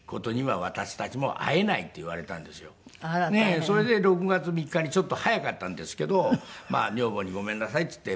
それで６月３日にちょっと早かったんですけど女房にごめんなさいって言って。